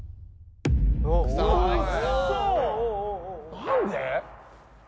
何で？